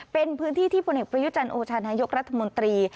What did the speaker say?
เป็นพื้นที่ที่พลเอกประยุจันทร์โอชานายกรัฐมนตรี